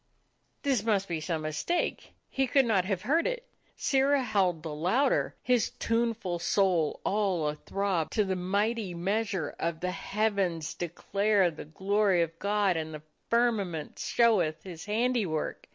This must be some mistake; he could not have heard it. Sirrah howled the louder, his tuneful soul all athrob to the mighty measure of "The heavens declare the glory of God, and the firmament showeth His handiwork."